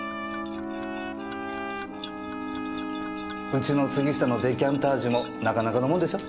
うちの杉下のデカンタージュもなかなかのもんでしょ？